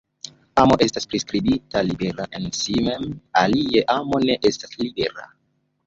Amo estas priskribita libera en si mem, alie amo ne estas libera.